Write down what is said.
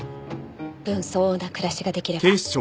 分相応な暮らしが出来れば。